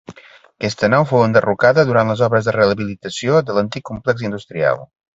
Aquesta nau fou enderrocada durant les obres de rehabilitació de l'antic complex industrial.